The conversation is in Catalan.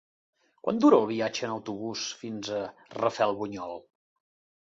Quant dura el viatge en autobús fins a Rafelbunyol?